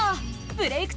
「ブレイクッ！